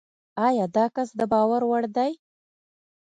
ایا داکس دباور وړ دی؟